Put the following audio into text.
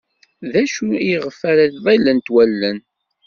D acu iɣef ara ḍillent wallen?